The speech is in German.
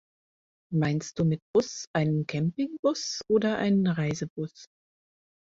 Meinst du mit Bus einen Campingbus oder einen Reisebus?